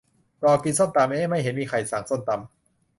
รอกินส้มตำ เอ๊ะ ไม่เห็นมีใครสั่งส้มตำ